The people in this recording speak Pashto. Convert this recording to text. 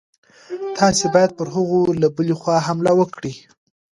تاسي باید پر هغوی له بلې خوا حمله وکړئ.